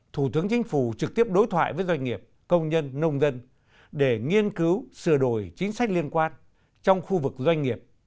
thủ tướng chính phủ trực tiếp đối thoại với doanh nghiệp công nhân nông dân để nghiên cứu sửa đổi chính sách liên quan trong khu vực doanh nghiệp